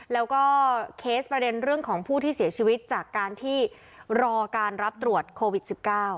แล้วก็เคสประเด็นเรื่องของผู้ที่เสียชีวิตจากการที่รอการรับตรวจโควิด๑๙